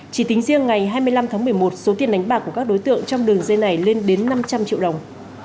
chỉ tính riêng ngày hai mươi năm tháng một mươi một số tiền đánh bạc của các đối tượng trong đường dây này lên đến năm trăm linh triệu đồng